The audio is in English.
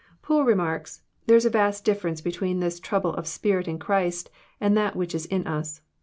Poole remarks :'* There is a vast difference between this trouble of spirit in Christ, and that which is in us.